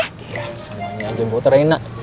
ya semuanya aja buat reina